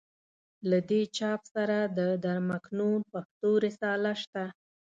له دې چاپ سره د در مکنون پښتو رساله شته.